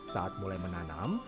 saat mulai menanam